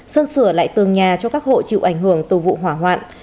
sơn sửa lại tường nhà cho các hộ chịu ảnh hưởng từ vụ hỏa hoạn